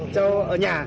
châu ở nhà